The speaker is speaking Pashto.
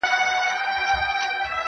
• یو سړي باندي خدای ډېر وو رحمېدلی..